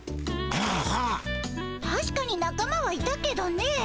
たしかになか間はいたけどね。